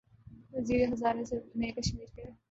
وزیر خارجہ نے کشمیر کے